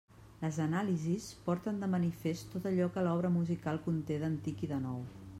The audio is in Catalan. Les anàlisis posen de manifest tot allò que l'obra musical conté d'antic i de nou.